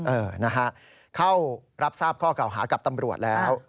เออนะฮะเข้ารับทราบข้อเก่าหากับตำรวจแล้ว